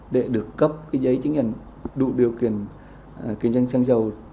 để được cấp cái giấy chứng nhận đủ điều kiện kinh doanh xăng dầu